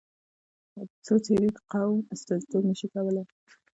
څو څېرې د قوم استازیتوب نه شي کولای.